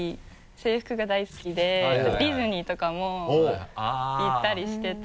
制服が大好きでディズニーとかも行ったりしてて。